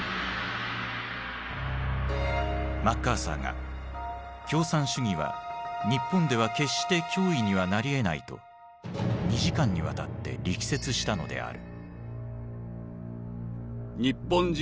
マッカーサーが共産主義は日本では決して脅威にはなりえないと２時間にわたって力説したのである。